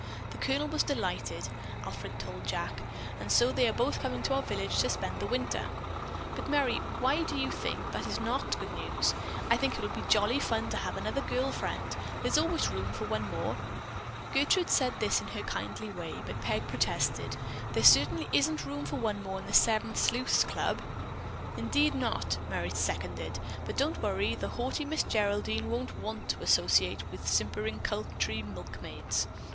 The Colonel was delighted, Alfred told Jack, and so they are both coming to our village to spend the winter." "But, Merry, why do you think that is not good news? I think it will be jolly fun to have another girl friend. There's always room for one more." Gertrude said this in her kindly way, but Peg protested: "There certainly isn't room for one more in the Seven Sleuths' Club." "Indeed not!" Merry seconded. "But don't worry, the haughty Miss Geraldine won't want to associate with simpering country milkmaids."